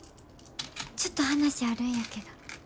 ちょっと話あるんやけど。